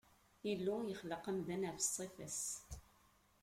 Illu yexleq amdan ɣef ṣṣifa-s.